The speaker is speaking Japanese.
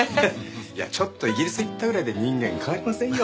いやちょっとイギリス行ったぐらいで人間変わりませんよ。